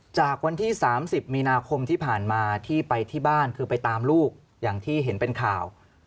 จากวันที่๓๐มีนาคมที่ผ่านมาที่ไปที่บ้านคือไปตามลูกอย่างที่เห็นเป็นข่าว